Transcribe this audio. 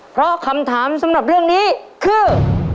เพราะคำถามสำหรับเรื่องนี้คือ